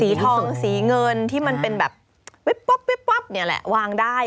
สีทองสีเงินที่มันเป็นแบบเว็บป๊อบเว็บป๊อบเนี่ยแหละวางได้